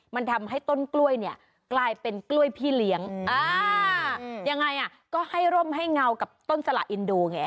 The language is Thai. มันทำให้ต้นกล้วยเนี่ยกลายเป็นกล้วยพี่เลี้ยงยังไงอ่ะก็ให้ร่มให้เงากับต้นสละอินโดไง